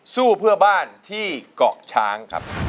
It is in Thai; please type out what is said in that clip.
สู้เพื่อบ้านที่เกาะช้างครับ